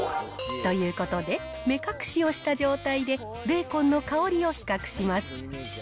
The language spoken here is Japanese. ということで、目隠しをした状態で、ベーコンの香りを比較します。